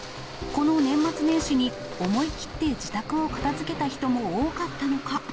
この年末年始に思い切って自宅を片づけた人も多かったのか。